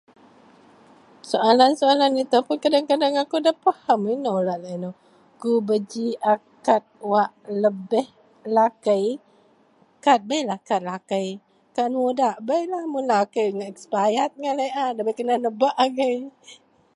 soalan- soalan itou pun kadang-kadang akou da paham, inolah laie nou kubaji akad wak lebih lakei, kad beilah kad lakei, kad mudak beilah, mun lakei ngak expired ngak laie a, dabei kena nebak agei.